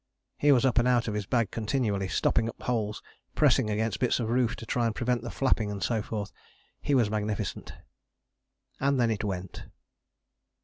He was up and out of his bag continually, stopping up holes, pressing against bits of roof to try and prevent the flapping and so forth. He was magnificent. And then it went.